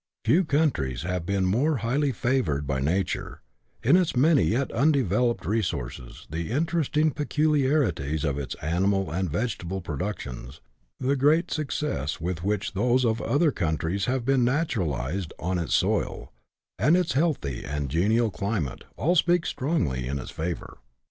Few countries have been more highly favoured by nature ; its many yet undeveloped re sources, the interesting peculiarities of its animal and vegetable productions, the great success with which those of other coun tries have been naturalized on its soil, and its healthy and genial climate, all speak strongly in its favour.